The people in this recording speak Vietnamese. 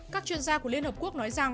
các chuyên gia của liên hợp quốc nói rằng